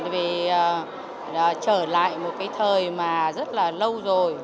vì trở lại một thời rất lâu rồi